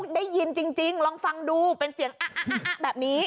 ได้ยินจริงลองฟังดูเป็นเสียงอะแบบนี้